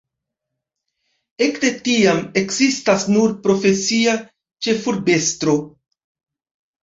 Ekde tiam ekzistas nur profesia ĉefurbestro.